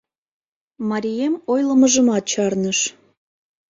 Марием ойлымыжымат чарныш.